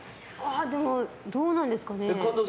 でも、どうなんですかね。